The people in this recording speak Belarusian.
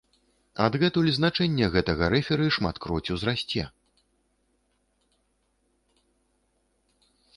Адгэтуль значэнне гэтага рэферы шматкроць узрасце.